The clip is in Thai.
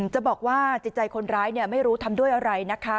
จะบอกว่าจิตใจคนร้ายไม่รู้ทำด้วยอะไรนะคะ